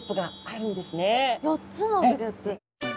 ４つのグループ。